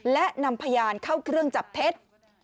และนำพยานเข้าเครื่องจับเท็จ